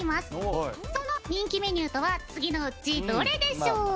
その人気メニューとは次のうちどれでしょうか？